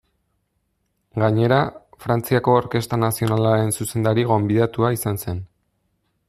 Gainera, Frantziako Orkestra Nazionalaren zuzendari gonbidatua izan zen.